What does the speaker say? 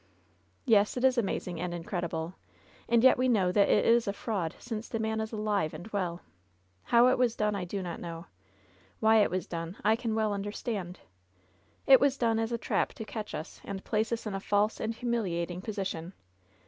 "Yes, it is amazing and incredible. And yet we kaow that it is a fraud, since the man is alive and well. How it was done I do not know. Why it was done I can well imderstand. It was done as a trap to catch us, and place us in a false and humiliating position.